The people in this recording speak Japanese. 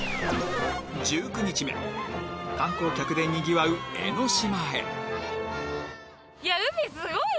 １９日目観光客でにぎわう江の島へうわすごい！